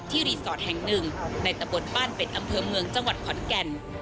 รีสอร์ทแห่งหนึ่งในตะบนบ้านเป็ดอำเภอเมืองจังหวัดขอนแก่น